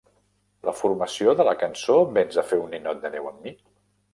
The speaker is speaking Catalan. La formació de la cançó Véns a fer un ninot de neu amb mi?